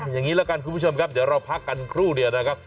อย่างนี้ละกันคุณผู้ชมครับเดี๋ยวเราพักกันครู่เดียวนะครับ